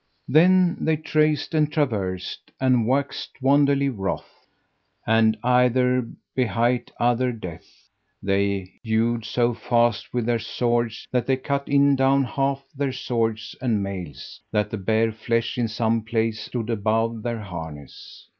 Then they traced and traversed, and waxed wonderly wroth, and either behight other death; they hewed so fast with their swords that they cut in down half their swords and mails, that the bare flesh in some place stood above their harness.